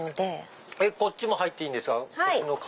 こっちも入っていいんですか？